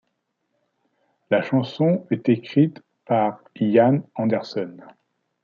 La chanson est écrite par Ian Anderson.